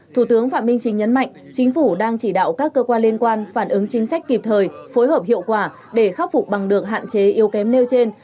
thủ tướng phạm minh chính nhấn mạnh chính phủ đang chỉ đạo các cơ quan liên quan phản ứng chính sách kịp thời phối hợp hiệu quả để khắc phục bằng được hạn chế yếu kém nêu trên